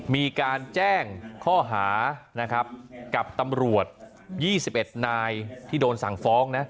มีการแจ้งข้อหานะครับกับตำรวจ๒๑นายที่โดนสั่งฟ้องนะ